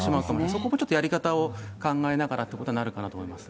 そこもちょっと、やり方を考えながらということになるかもしれません。